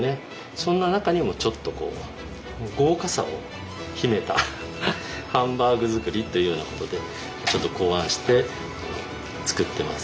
そんな中にもちょっと豪華さを秘めたハンバーグ作りというようなことでちょっと考案して作ってます。